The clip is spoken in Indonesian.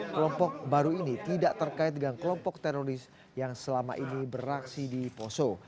kelompok baru ini tidak terkait dengan kelompok teroris yang selama ini beraksi di poso